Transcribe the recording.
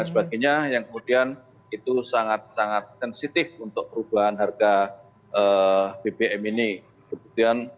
sebagainya yang kemudian itu sangat sangat sensitif untuk perubahan harga bbm ini kemudian